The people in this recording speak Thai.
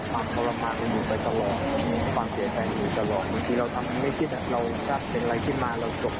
มันจะติดเขาเป็นกลางเปล่า